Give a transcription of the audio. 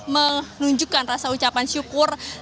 menunjukkan rasa ucapan syukur